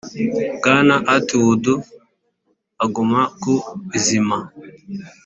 bwana atwood aguma ku izima.